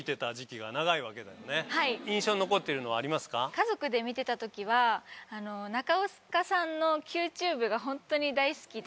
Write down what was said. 家族で見てたときは中岡さんの「ＱＴｕｂｅ」が本当に大好きで。